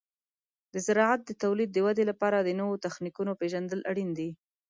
د زراعت د تولید د ودې لپاره د نوو تخنیکونو پیژندل اړین دي.